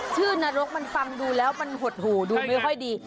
นรกมันฟังดูแล้วมันหดหูดูไม่ค่อยดี